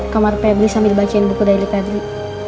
kamar pebri sambil bacain buku dari pebri